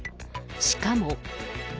しかも。